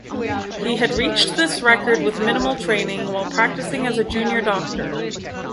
He had reached this record with minimal training, while practising as a junior doctor.